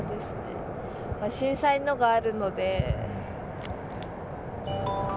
震災のがあるので。